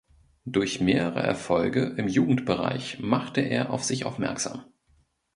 Durch mehrere Erfolge im Jugendbereich machte er auf sich aufmerksam.